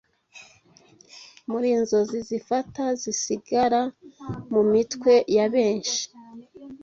Muri "Inzozi Zifata" zigasigara mumitwe yabenshi